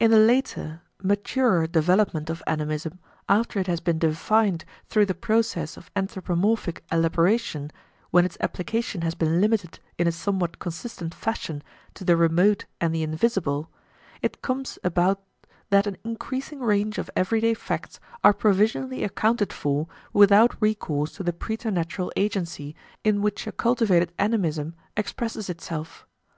In the later, maturer development of animism, after it has been defined through the process of anthropomorphic elaboration, when its application has been limited in a somewhat consistent fashion to the remote and the invisible, it comes about that an increasing range of everyday facts are provisionally accounted for without recourse to the preternatural agency in which a cultivated animism expresses itself.